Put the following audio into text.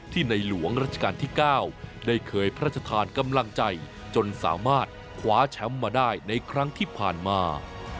ในหลวงราชการที่๙ได้เคยพระราชทานกำลังใจจนสามารถคว้าแชมป์มาได้ในครั้งที่ผ่านมา